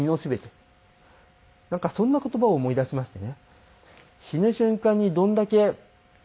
なんかそんな言葉を思い出しましてね。